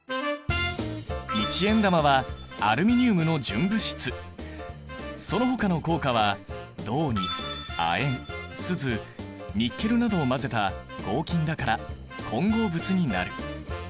一円玉はそのほかの硬貨は銅に亜鉛スズニッケルなどを混ぜた合金だから混合物になる。